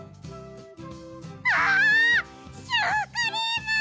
あシュークリーム！